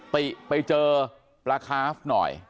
ติไปเจอปลาคาฟหน่อย